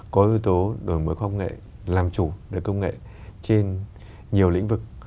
có yếu tố đổi mới khoa học nghệ làm chủ về công nghệ trên nhiều lĩnh vực